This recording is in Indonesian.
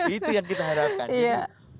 itu yang kita harapkan